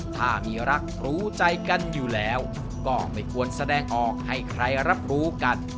ถ้ามีรักรู้ใจกันอยู่แล้วก็ไม่ควรแสดงออกให้ใครรับรู้กัน